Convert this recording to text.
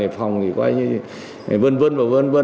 phòng thì vân vân và vân vân